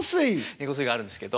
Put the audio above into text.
猫吸いがあるんですけど。